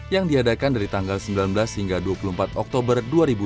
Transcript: yang diadakan dari tanggal sembilan belas hingga dua puluh empat oktober dua ribu dua puluh